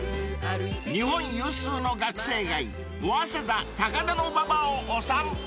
［日本有数の学生街早稲田高田馬場をお散歩］